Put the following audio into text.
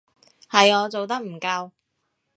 係我做得唔夠